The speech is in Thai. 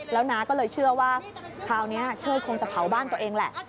แล้วน้าก็เลยเชื่อว่าคราวนี้เชิดคงจะเผาบ้านตัวเองแหละ